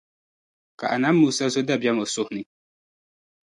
Ka Annabi Musa zo dabiεm o suhi ni.